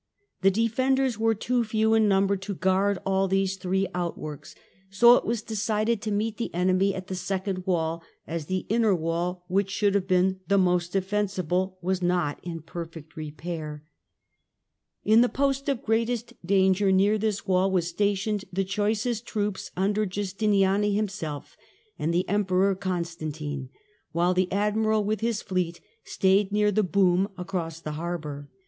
The defenders were too few in number to guard all these three outworks, so it was decided to meet the enemy at the second wall, as the inner wall which should have been the most SIEGE OF CONSTANTINTOPLE 1453 Suit Tent Golden Gat l^.v^ociJUdvL^g. ,0'i<v<i'<'* J ENGLISH MILES defensible was not in perfect repair. In the post of greatest danger near this wall were stationed the choicest troops under Justiniani himself and the Em peror Constantine; while the admiral with his fleet stayed near the boom across the harbour.